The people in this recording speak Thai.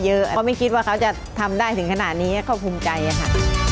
เพราะไม่คิดว่าเขาจะทำได้ถึงขนาดนี้ก็ภูมิใจค่ะ